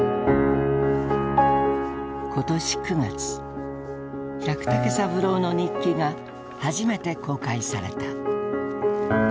今年９月百武三郎の日記が初めて公開された。